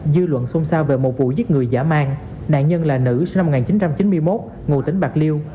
dư luận xung sao về một vụ giết người giả mang nạn nhân là nữ sinh năm một nghìn chín trăm chín mươi một ngụ tính bạc liêu